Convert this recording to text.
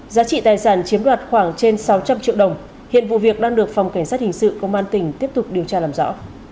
giá trị tài sản chiếm đoạt khoảng trên sáu trăm linh triệu đồng hiện vụ việc đang được phòng cảnh sát hình sự công an tỉnh tiếp tục điều tra làm rõ